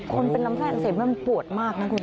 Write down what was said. คนที่เป็นลำไส้อักเสบมันปวดมากนะครับ